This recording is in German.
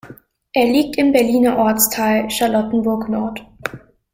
Er liegt im Berliner Ortsteil Charlottenburg-Nord.